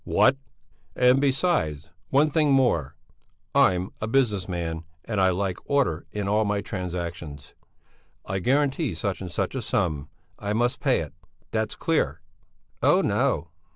"What? And besides one thing more! I'm a business man and I like order in all my transactions. I guarantee such and such a sum; I must pay it that's clear!" "Oh, no!"